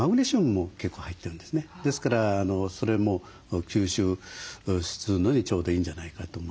ですからそれも吸収するのにちょうどいいんじゃないかと思いますね。